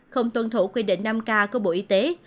không tuân thủ quy định năm k của bộ y tế